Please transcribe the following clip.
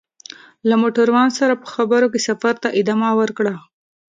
له موټروان سره په خبرو کې سفر ته ادامه ورکړه.